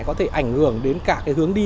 có thể ảnh hưởng đến hướng đi